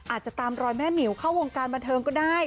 อาจจะตามรอยแม่หมิวเข้าวงการบันเทิงก็ได้